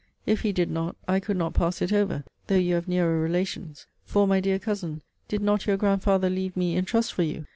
If he did not, I could not pass it over, though you have nearer relations; for, my dear Cousin, did not your grandfather leave me in trust for you?